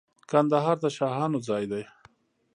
کندهار د شاهانو ځای دی.